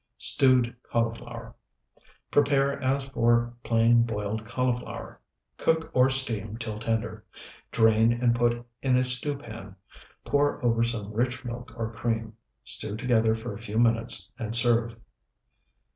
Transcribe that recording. STEWED CAULIFLOWER Prepare as for plain boiled cauliflower; cook or steam till tender; drain and put in a stew pan; pour over some rich milk or cream; stew together for a few minutes, and serve.